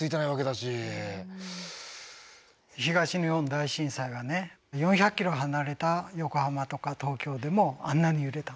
東日本大震災はね４００キロ離れた横浜とか東京でもあんなに揺れた。